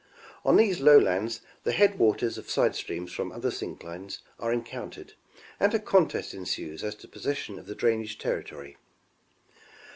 On these lowlands, the headwaters of side streams from other synclines are encountered and a contest ensues as to possession of the drainage territory.